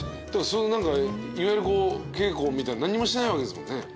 その何かいわゆる稽古みたいな何にもしてないわけですもんねお芝居の。